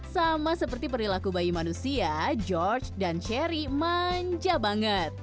sama seperti perilaku bayi manusia george dan cherry manja banget